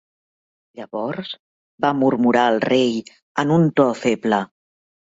"Llavors", va murmurar el rei en un to feble.